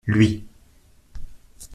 Lui.